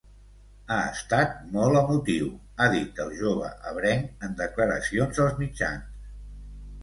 Ha estat molt emotiu, ha dit el jove ebrenc en declaracions als mitjans.